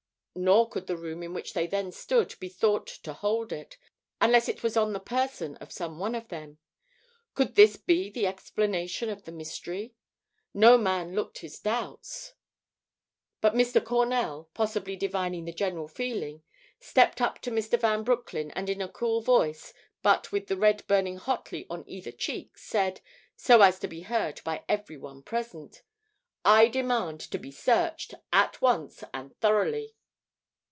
Nor could the room in which they then stood be thought to hold it, unless it was on the person of some one of them. Could this be the explanation of the mystery? No man looked his doubts; but Mr. Cornell, possibly divining the general feeling, stepped up to Mr. Van Broecklyn and in a cool voice, but with the red burning hotly on either cheek, said, so as to be heard by everyone present: "I demand to be searched at once and thoroughly."